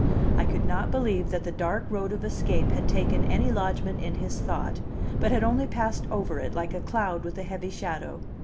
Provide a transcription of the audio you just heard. I could not believe that the dark road of escape had taken any lodgement in his thought, but had only passed over it, like a cloud with a heavy shadow.